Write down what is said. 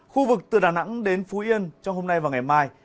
khu vực từ đà nẵng đến phú yên trong hôm nay và ngày mai